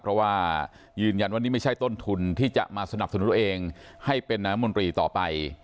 เพราะว่ายืนยันว่านี่ไม่ใช่ต้นทุนที่จะมาสนับสนุนเองให้เป็นน้ำมนตรีต่อไป